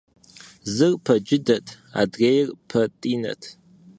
Зыр пэ джыдэт, адрейр пэтӏинэт.